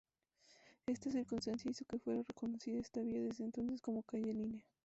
Esta circunstancia hizo que fuera reconocida esta vía, desde entonces, como calle Línea.